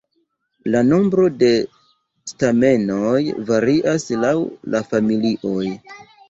La nombro de stamenoj varias laŭ la familioj.